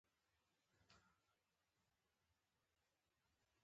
موږ درې واړه پر ده را چاپېر شو او پټ مو کړ.